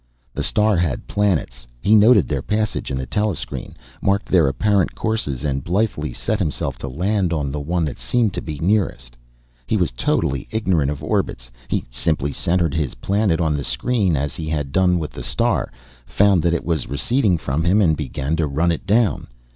The star had planets. He noted their passage in the telescreen, marked their apparent courses, and blithely set himself to land on the one that seemed to be nearest. He was totally ignorant of orbits; he simply centered his planet on the screen as he had done with the star, found that it was receding from him, and began to run it down.